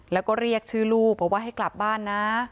แล้วก็เรียกชื่อลูกบอกว่าให้กลับบ้านนะ